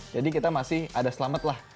jadi kita masih ada selamat lah